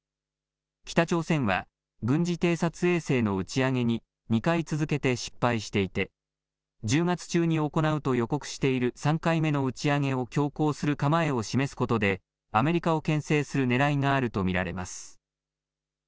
北朝鮮は軍事偵察衛星の打ち上げに２回続けて失敗していて１０月中に行うと予告している３回目の打ち上げを強行する構えを示すことでアメリカをけん制するねらいがあると見られます。